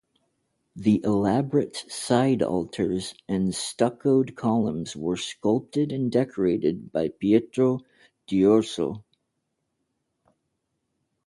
The elaborate side altars and stuccoed columns were sculpted and decorated by Pietro D’Urso.